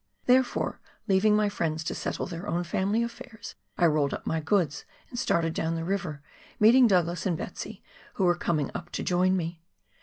Therefore, leaving my fricn Is to settle their own family aflfairs, I rolled uj) my goods and started down the river, meeting Douglas and " Betsy," who were coming up to join me.